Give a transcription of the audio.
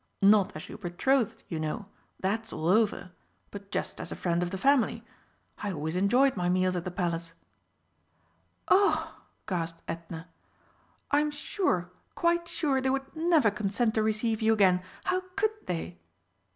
Not as your betrothed, you know that's all over but just as a friend of the family. I always enjoyed my meals at the Palace." "Oh!" gasped Edna, "I'm sure, quite sure, they would never consent to receive you again. How could they?"